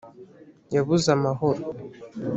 yabuze amahoro